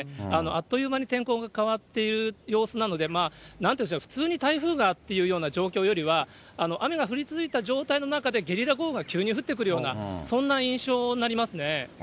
あっという間に天候が変わっていくという様子なので、なんと言うんでしょう、普通に台風がという状況よりは、雨が降り続いた状態の中でゲリラ豪雨が急に降ってくるような、そんな印象になります